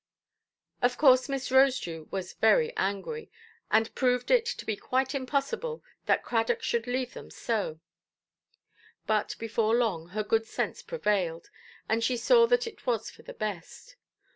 Of course Miss Rosedew was very angry, and proved it to be quite impossible that Cradock should leave them so; but, before very long, her good sense prevailed, and she saw that it was for the best.